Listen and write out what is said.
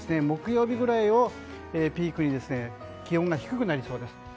木曜日くらいをピークに気温が低くなりそうです。